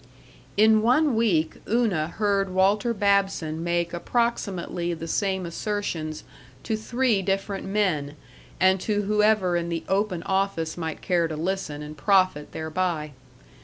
In one week Una heard Walter Babson make approximately the same assertions to three different men, and to whoever in the open office might care to listen and profit thereby.